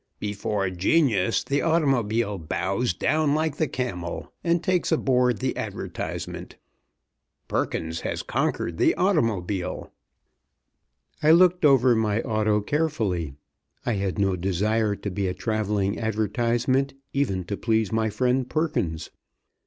Before genius the automobile bows down like the camel, and takes aboard the advertisement. Perkins has conquered the automobile!" I looked over my auto carefully. I had no desire to be a travelling advertisement even to please my friend Perkins.